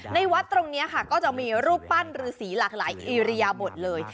ในวัดตรงนี้ก็จะมีรูปปั้นฤษีหลากหลายอิริยาหมดเลย